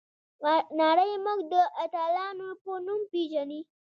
نړۍ موږ د اتلانو په نوم پیژني.